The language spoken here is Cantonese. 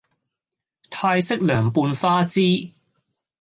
泰式涼拌花枝